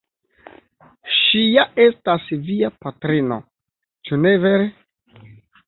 Ŝi ja estas via patrino, ĉu ne vere?